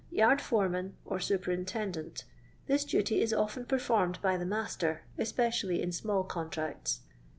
Yard foreman, or superintendent This duty is often performed by the master, especially in small contnets.